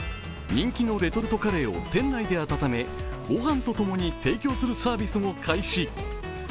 人気のレトルトカレーを店内で温め御飯と共に提供するサービスも開始。